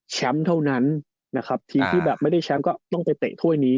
เท่านั้นนะครับทีมที่แบบไม่ได้แชมป์ก็ต้องไปเตะถ้วยนี้